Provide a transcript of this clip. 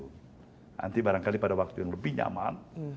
nanti barangkali pada waktu yang lebih nyaman